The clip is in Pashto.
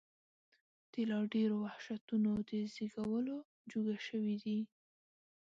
د لا ډېرو وحشتونو د زېږولو جوګه شوي دي.